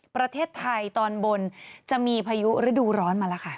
ประเทศไทยตอนบนจะมีพายุฤดูร้อนมาแล้วค่ะ